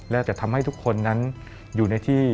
และจะทำให้ทุกคนนั้นอยู่ในที่